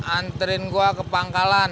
anterin gua ke pangkalan